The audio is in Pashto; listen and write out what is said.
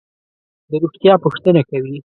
د روغتیا پوښتنه کوي.